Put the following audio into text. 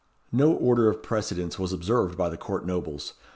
No order of precedence was observed by the court nobles.